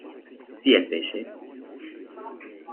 Si elle pêchait.